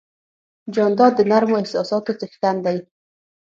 جانداد د نرمو احساساتو څښتن دی.